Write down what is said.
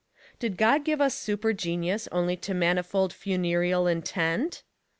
Did God give us super genius only to manifold funereal intent??